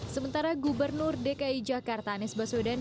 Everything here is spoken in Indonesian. sementara gubernur dki jakarta anies baswedan